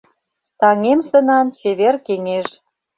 Таҥем сынан чевер кеҥеж.